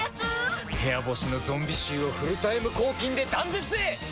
部屋干しのゾンビ臭をフルタイム抗菌で断絶へ！